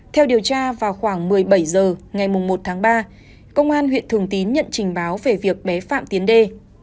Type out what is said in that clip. theo điều tra vào khoảng một mươi bảy h ngày một tháng ba công an huyện thường tín nhận trình báo về việc bé phạm tiến đê